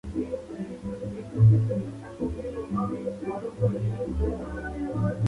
Mientras que el de "Marines" fue tomado de Full Metal Jacket.